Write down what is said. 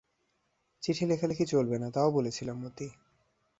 চিঠি লেখালেখি চলবে না, তাও বলেছিলাম মতি।